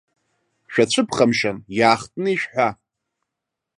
Шәацәыԥхамшьан, иаахтны ишәҳәа.